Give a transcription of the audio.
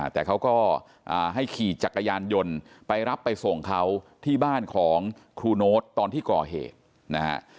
แต่เขาก็ให้ขี่จักรยานยนต์ไปรับไปส่งเขาที่บ้านของครูโน๊ตตอนที่ก่อเหตุนะฮะ